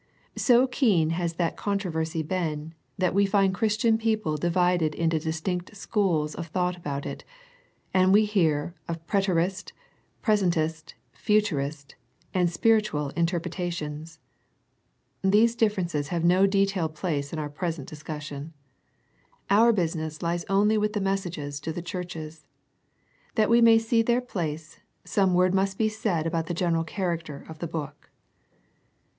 So keen has that controversy been, that we find Christian people divided into dis tinct schools of thought about it, and we hear of Preterist, Presentist, Futurist, and Spirit ual interpretations. These differences have no detailed place in our present discussion. Our business lies only with the messages to the churches. That we may see their place, some word must be said about the general character of the book.